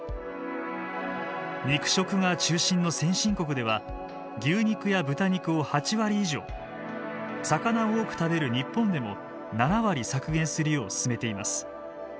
肉食が中心の先進国では牛肉や豚肉を８割以上魚を多く食べる日本でも７割削減するよう勧めています。